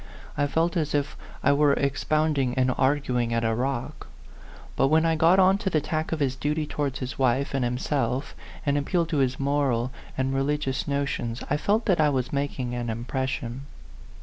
I felt as it' I were expounding and arguing at a rock. But when I got on to the tack of his duty towards his wife and himself, and appealed to his moral and re ligious notions, I felt that I was making an impression.